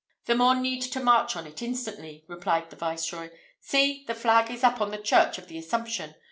"The more need to march on it instantly," replied the Viceroy. "See! The flag is up on the church of the Assumption!